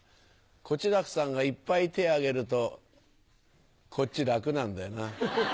小痴楽さんがいっぱい手挙げるとこっち楽なんだよな。